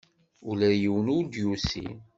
Ula yiwen ur d-yusi.